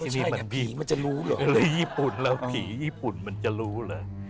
พี่มันจะรู้เหรอพี่ญี่ปุ่นมันจะรู้เลย